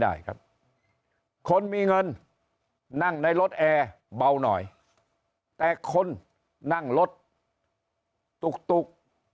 ได้ครับคนมีเงินนั่งในรถแอร์เบาหน่อยแต่คนนั่งรถตุก